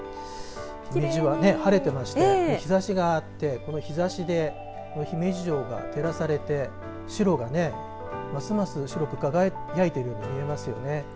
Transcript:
晴れていまして日ざしがあってこの日ざしで姫路城が照らされて城がますます白く輝いているように見えますよね。